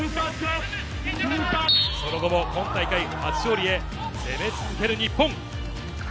その後も今大会初勝利へ、攻め続ける日本。